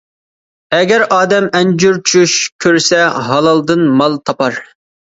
ئەگەر ئادەم ئەنجۈر چۈش كۆرسە، ھالالدىن مال تاپار.